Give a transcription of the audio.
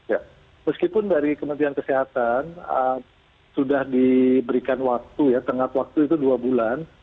ya meskipun dari kementerian kesehatan sudah diberikan waktu ya tengah waktu itu dua bulan